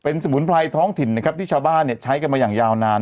สมุนไพรท้องถิ่นนะครับที่ชาวบ้านใช้กันมาอย่างยาวนาน